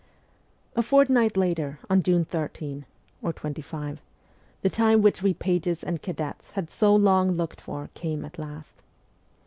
A fortnight later, on June 13 (25), the time which we pages and cadets had so long looked for came at last.